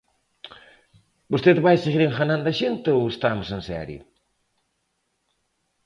¿Vostede vai seguir enganando a xente ou estamos en serio?